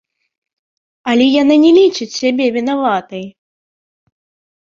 Але яна не лічыць сябе вінаватай!